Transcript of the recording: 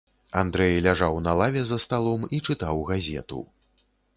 Андрэй ляжаў на лаве за сталом і чытаў газету.